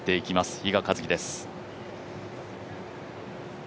比嘉一貴です。